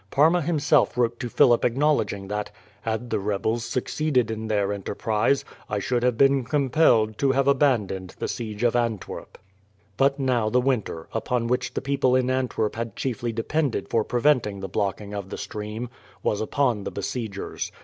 Parma himself wrote to Philip acknowledging that "Had the rebels succeeded in their enterprise, I should have been compelled to have abandoned the siege of Antwerp." But now the winter, upon which the people in Antwerp had chiefly depended for preventing the blocking of the stream, was upon the besiegers.